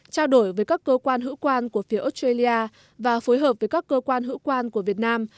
trao đổi với các cơ quan hữu quan của phía australia và phối hợp với các cơ quan hữu quan của việt nam